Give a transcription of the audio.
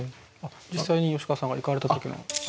実際に吉川さんが行かれた時の写真が。